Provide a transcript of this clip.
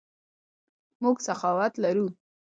موږ سخاوت لرو.